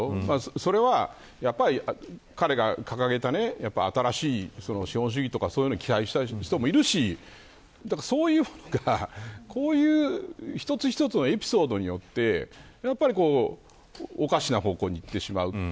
それは彼が掲げた新しい資本主義とかそういうのに期待した人もいるしそういうものがこういう一つ一つのエピソードでおかしな方向にいってしまう。